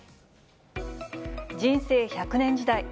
人生１００年時代。